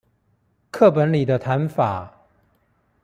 課本裡的談法